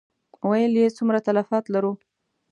ويې ويل: څومره تلفات لرو؟